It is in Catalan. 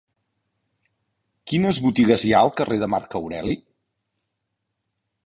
Quines botigues hi ha al carrer de Marc Aureli?